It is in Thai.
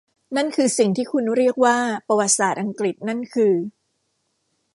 นั่นคือสิ่งที่คุณเรียกว่าประวัติศาสตร์อังกฤษนั่นคือ